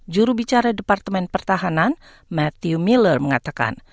jurubicara departemen pertahanan matthew miller mengatakan